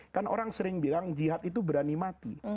kan orang sering bilang jihad itu berani mati